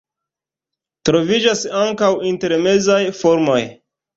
Troviĝas ankaŭ intermezaj formoj.